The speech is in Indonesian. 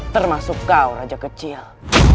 termasuk kau raja kecil